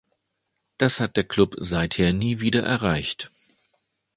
Das hat der Club seither nie wieder erreicht.